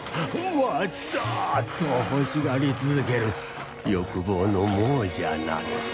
もっと！と欲しがり続ける欲望の亡者なのじゃ